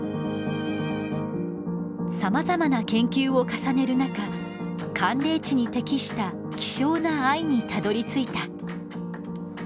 さまざまな研究を重ねる中寒冷地に適した希少な藍にたどりついた。